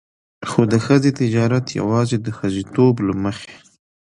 خو د ښځې تجارت يواځې د ښځېتوب له مخې.